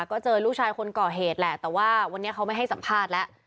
ก็เจอลูกชายคนก่อเหตุแหละแต่ว่าวันนี้เขาไม่ให้สัมภาษณ์แล้ว